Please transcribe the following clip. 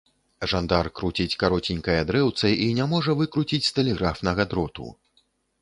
Жандар круціць кароценькае дрэўца і не можа выкруціць з тэлеграфнага дроту.